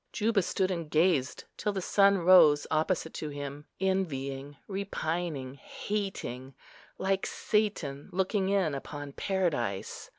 Juba stood and gazed till the sun rose opposite to him, envying, repining, hating, like Satan looking in upon Paradise.